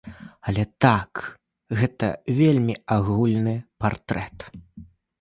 Але так, гэта вельмі агульны партрэт.